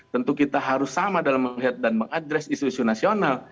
tentu kita harus sama dalam melihat dan mengadres isu isu nasional